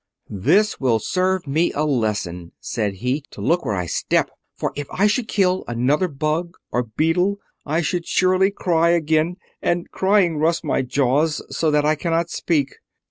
"This will serve me a lesson," said he, "to look where I step. For if I should kill another bug or beetle I should surely cry again, and crying rusts my jaws so that I cannot speak."